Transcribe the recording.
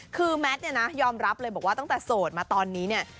คือแมทเนี่ยนะยอมรับเลยบอกว่าตั้งแต่โสดมาตอนนี้เนี่ย